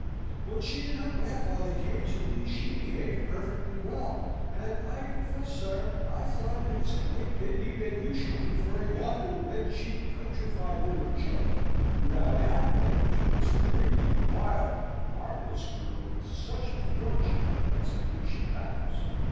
When she and her grandfather came to me, she behaved perfectly well; and I confess, sir, I thought it was a great pity that you should prefer yonder red cheeked countrified little chit, without a halfpenny, to this pretty, wild, artless girl, with such a fortune as I hear she has."